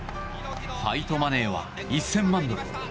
ファイトマネーは１０００万ドル。